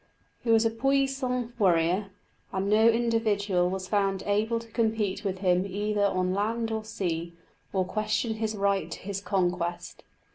He was a puissant warrior, and no individual was found able to compete with him either on land or sea, or question his right to his conquest.